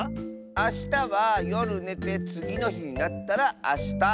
あしたはよるねてつぎのひになったらあした。